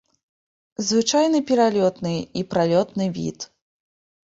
Звычайны пералётны і пралётны від.